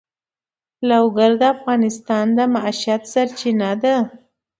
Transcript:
لوگر د افغانانو د معیشت سرچینه ده.